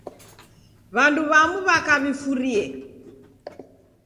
W'andu w'amu w'aka w'ifurie.